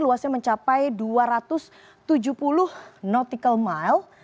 luasnya mencapai dua ratus tujuh puluh nautical mile